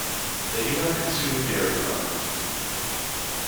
They do not consume dairy products.